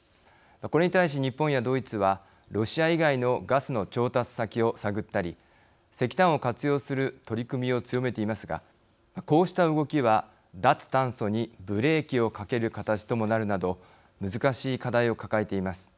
これに対し、日本やドイツはロシア以外のガスの調達先を探ったり石炭を活用する取り組みを強めていますがこうした動きは脱炭素にブレーキをかける形ともなるなど難しい課題を抱えています。